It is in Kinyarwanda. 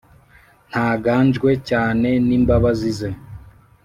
ntangajwe cyane n'imbabazi ze: